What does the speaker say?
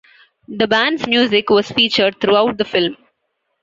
The band's music was featured throughout the film.